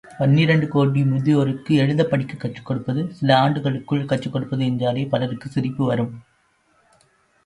பன்னிரண்டு கோடி முதியோருக்கு எழுதப் படிக்கக் கற்றுக் கொடுப்பது, சில ஆண்டுகளுக்குள் கற்றுக்கொடுப்பது என்றாலே பலருக்குச் சிரிப்பு வரும்.